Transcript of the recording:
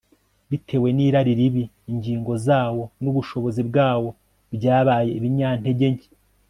bitewe n'irari ribi, ingingo zawo n'ubushobozi bwawo byabaye ibinyantegenke